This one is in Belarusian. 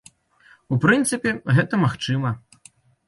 У прынцыпе гэта магчыма.